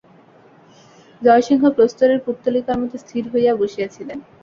জয়সিংহ প্রস্তরের পুত্তলিকার মতো স্থির হইয়া বসিয়াছিলেন।